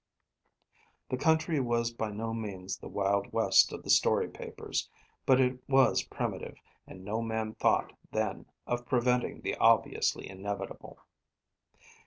The country was by no means the wild West of the story papers, but it was primitive, and no man thought, then, of preventing the obviously inevitable.